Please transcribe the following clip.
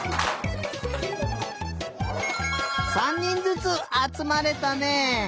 ３にんずつあつまれたね！